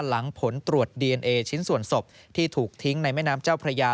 หลังผลตรวจดีเอนเอชิ้นส่วนศพที่ถูกทิ้งในแม่น้ำเจ้าพระยา